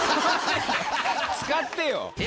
使ってよ！